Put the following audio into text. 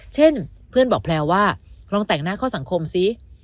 เช่นเพื่อนบอกแพลวว่าลองแต่งหน้าเข้าสังคมซิ